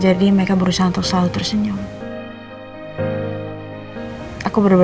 jadi saya yukan bahkan dipel mobil itu armornya glas klaration